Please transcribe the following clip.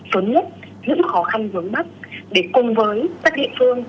phấn mất những khó khăn vướng mắt để cùng với các địa phương